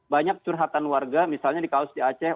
banyak curhatan warga misalnya di kaos di aceh